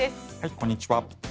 こんにちは。